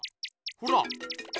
ほら。